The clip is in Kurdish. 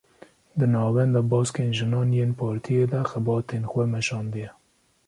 Di navenda baskên jinan yên partiyê de xebatên xwe meşandiye